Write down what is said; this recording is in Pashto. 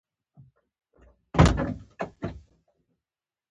لاسونه له دعا سره تړلي دي